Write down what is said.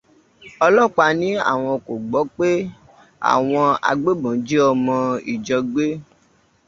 Ọlọ́pàá ní àwọn kò gbọ́ pé àwọn agbébọn jí ọmọ ìjọ gbé.